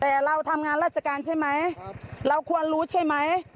แต่เราทำงานราชการใช่ไหมเราควรรู้ใช่ไหม